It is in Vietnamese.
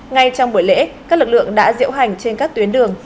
ngay trong buổi lễ các lực lượng đã diễu hành trên các tuyến đường